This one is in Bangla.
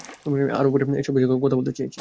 আরও পরে এই বিষয়ে কথা বলতে চেয়েছি।